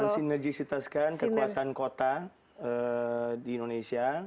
mensinergisitaskan kekuatan kota di indonesia